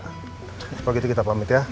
kalau gitu kita pamit ya